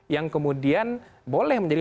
yang kemudian boleh menjadi